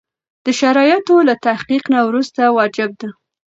د شرایطو له تحقق نه وروسته واجب ده.